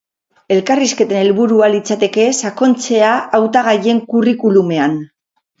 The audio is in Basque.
Elkarrizketen helburua litzateke sakontzea hautagaien curriculumean.